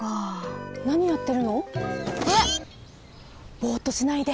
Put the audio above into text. ボッとしないで！